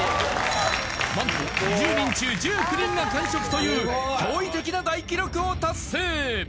なんと２０人中１９人が完食という驚異的な大記録を達成